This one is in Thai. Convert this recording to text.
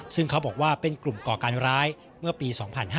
ซึ่งเขาบอกว่าเป็นกลุ่มก่อการร้ายเมื่อปี๒๕๕๙